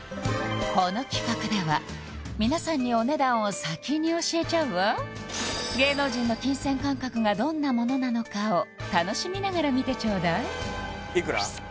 この企画では皆さんにお値段を先に教えちゃうわ芸能人の金銭感覚がどんなものなのかを楽しみながら見てちょうだいいくら？